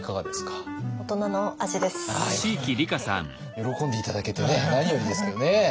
喜んで頂けてね何よりですけどね。